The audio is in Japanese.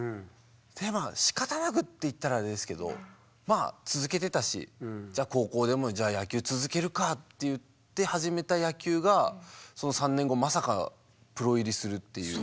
それでまあしかたなくって言ったらあれですけどまあ続けてたしじゃあ高校でも野球続けるかって言って始めた野球がその３年後まさかプロ入りするっていう。